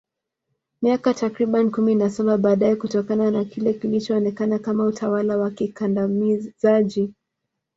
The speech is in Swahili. Miaka takriban kumi na Saba baadaye kutokana na kile kilichoonekana kama utawala wa kikandamizaji